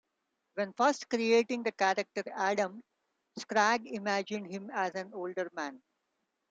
When first creating the character Adam, Schrag imagined him as an older man.